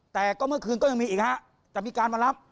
แต่ก็เมื่อคืนก็ยังมีอีกฮะจะมีการมารับ